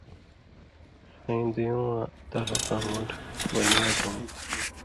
ݜَیں دُویوں واں تعلُقاں مُون٘ڈ (بنیاد) ہُم